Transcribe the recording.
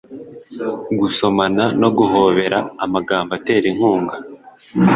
gusomana no guhobera, amagambo atera inkunga-